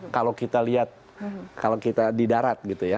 kalau kita lihat kalau kita di darat gitu ya